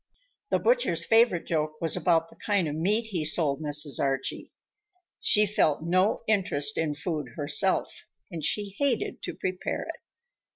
The butcher's favorite joke was about the kind of meat he sold Mrs. Archie. She felt no interest in food herself, and she hated to prepare it.